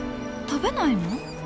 食べないの？